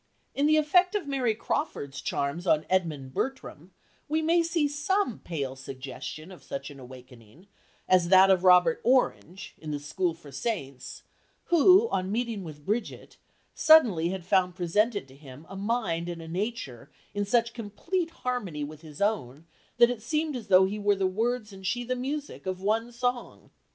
In the effect of Mary Crawford's charms on Edmund Bertram we may see some pale suggestion of such an awakening as that of Robert Orange (in The School for Saints), who, on meeting with Brigit, "suddenly had found presented to him a mind and a nature in such complete harmony with his own that it had seemed as though he were the words and she the music, of one song."